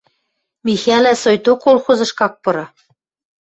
Михӓлӓ соикток колхозышкы ак пыры.